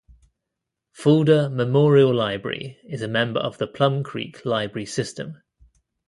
Fulda Memorial Library is a member of the Plum Creek Library System.